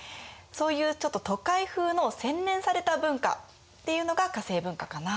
そういうちょっと都会風の洗練された文化っていうのが化政文化かな。